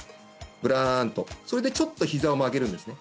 ぶらんとそれでちょっとひざを曲げるんですね